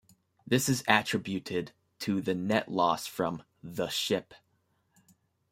This is attributed to the net loss from "The Ship".